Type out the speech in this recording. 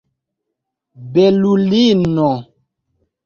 belulino